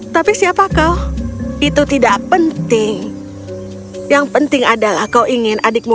tapi siapa kau itu tidak penting yang penting adalah kau ingin adikmu